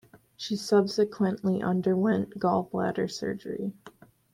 She subsequently underwent gall bladder surgery.